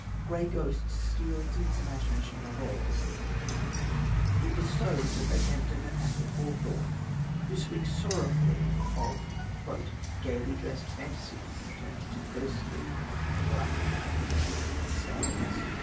Grey ghosts steal into his imagination unawares. It was so that they came to Nathaniel Hawthorne, who speaks sorrowfully of "gaily dressed fantasies turning to ghostly and black clad images of themselves."